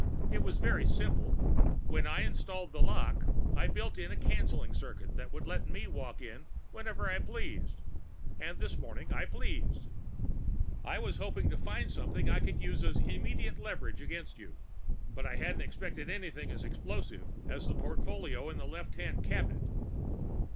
It was very simple: when I installed the lock, I built in a canceling circuit that would let me walk in whenever I pleased. And this morning I pleased. I was hoping to find something I could use as immediate leverage against you, but I hadn't expected anything as explosive as the portfolio in the left hand cabinet.